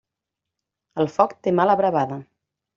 El foc té mala bravada.